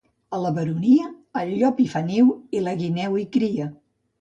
A la Baronia, el llop hi fa niu i la guineu hi cria.